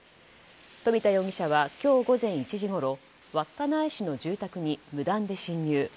富田容疑者は今日午前１時ごろ稚内市の住宅に無断で侵入。